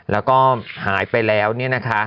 แล้วก็หายไปแล้วเนี่ยนะคะ